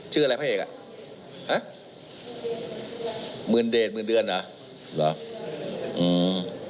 ชื่ออะไรพระเอกอ่ะฮะหมื่นเดชหมื่นเดือนเหรอเหรออืม